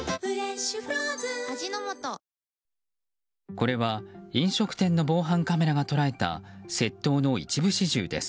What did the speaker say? これは飲食店の防犯カメラが捉えた窃盗の一部始終です。